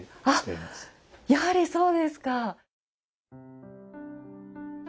あっやはりそうですか。